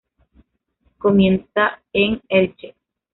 Comienza en Elche.